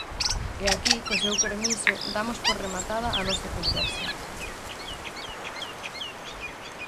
E aquí, co seu permiso, damos por rematada a nosa conversa.